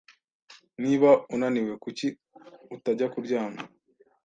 "Niba unaniwe, kuki utajya kuryama?"